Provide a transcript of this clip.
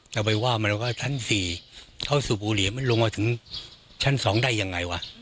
เอาไปว่ามันก็ทั้งสี่เขาสู่บุหรี่มันลงมาถึงชั้นสองได้ยังไงวะ